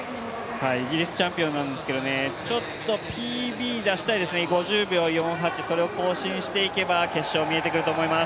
イギリスチャンピオンなんですけれども、ＰＢ出したいですね、５０秒４８、それを更新していけば決勝見えてくると思います。